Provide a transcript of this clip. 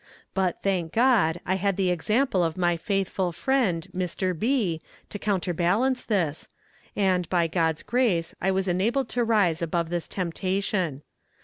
But, thank God, I had the example of my faithful friend, Mr. B., to counterbalance this, and by God's grace I was enabled to rise above this temptation.